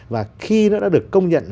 và khi nó đã được công nhận